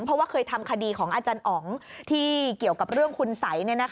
เพราะว่าเคยทำคดีของอาจารย์อ๋องที่เกี่ยวกับเรื่องคุณสัย